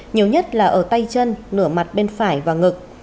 nhiều nhất là ở tay chân nửa mặt bên phải và ngực